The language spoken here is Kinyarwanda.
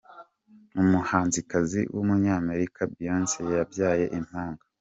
Umuhanzikazi w’ Umunyamerika ’Beyonce’ yabyaye impanga.